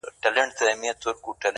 د بندیزونو لرې کېدل